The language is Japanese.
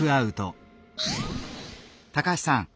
高橋さん